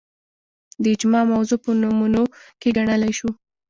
د اجماع موضوع په نمونو کې ګڼلای شو